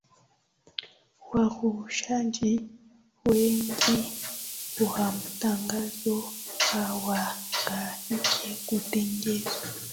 warushaji wengine wa mtangazo hawahangaiki kutenngeneza